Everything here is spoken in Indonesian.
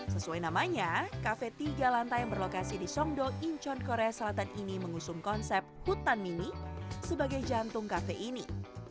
sesuai namanya kafe tiga lantai yang berlokasi di songdo incheon korea selatan ini mengusung konsep hutan mini sebagai jantung kafe ini